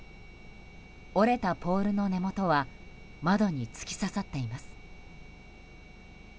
折れたポールの根元は窓に突き刺さっています。